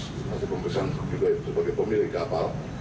jadi selain nahkoda kapal yang masih pembesan juga sebagai pemilik kapal